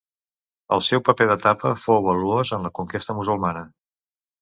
El seu paper d'etapa fou valuós en la conquesta musulmana.